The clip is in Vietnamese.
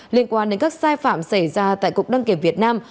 liên quan đến các sai phạm xảy ra tại cục đăng kiểm việt nam